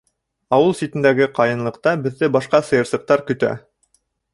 Ауыл ситендәге ҡайынлыҡта беҙҙе башҡа сыйырсыҡтар көтә.